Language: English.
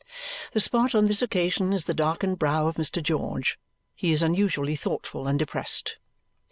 The spot on this occasion is the darkened brow of Mr. George; he is unusually thoughtful and depressed.